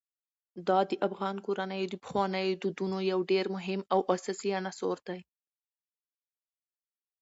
دا د افغان کورنیو د پخوانیو دودونو یو ډېر مهم او اساسي عنصر دی.